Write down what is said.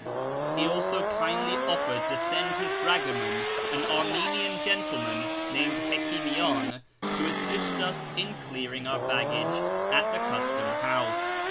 He also kindly offered to send his dragoman, an Armenian gentleman, named Hekimian, to assist us in clearing our ba£;£:ai:ce at the custom house.